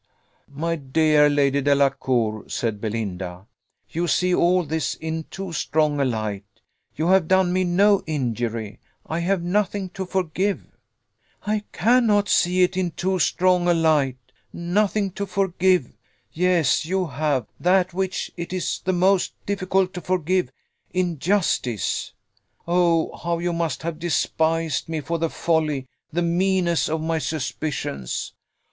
"My dear Lady Delacour," said Belinda, "you see all this in too strong a light: you have done me no injury I have nothing to forgive." "I cannot see it in too strong a light. Nothing to forgive! Yes, you have; that which it is the most difficult to forgive injustice. Oh, how you must have despised me for the folly, the meanness of my suspicions!